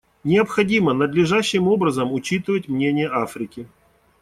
Необходимо надлежащим образом учитывать мнение Африки.